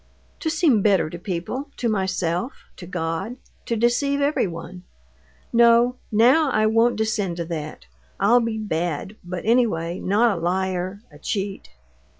"To seem better to people, to myself, to God; to deceive everyone. No! now I won't descend to that. I'll be bad; but anyway not a liar, a cheat."